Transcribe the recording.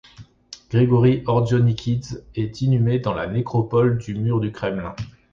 Grigory Ordjonikidze est inhumé dans la nécropole du mur du Kremlin.